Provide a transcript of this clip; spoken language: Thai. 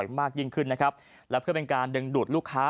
มากยิ่งขึ้นนะครับและเพื่อเป็นการดึงดูดลูกค้า